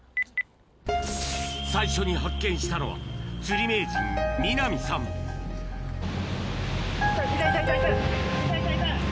最初に発見したのは、釣り名いた、いた、いた、いた、いた、いた。